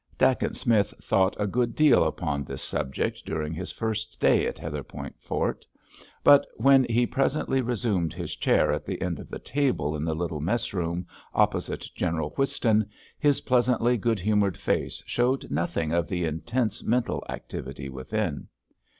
Dacent Smith thought a good deal upon this subject during his first day at Heatherpoint Fort. But when he presently resumed his chair at the end of the table in the little mess room, opposite General Whiston, his pleasantly good humoured face showed nothing of the intense mental activity within.